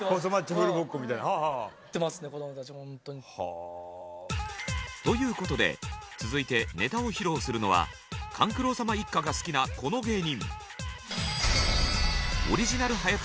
言ってますね子供たちホント。ということで続いてネタを披露するのは勘九郎様一家が好きなこの芸人。